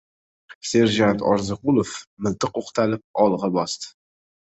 Serjant Orziqulov miltiq o‘qtalib olg‘a bosdi.